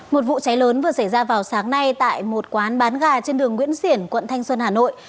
một vụ cháy lớn vừa xảy ra vào sáng nay tại một quán bán gà trên đường nguyễn xiển quận thanh xuân hà nội